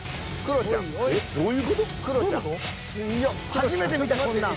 初めて見たこんなん。